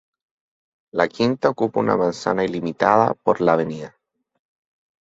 La quinta ocupa una manzana limitada por la Av.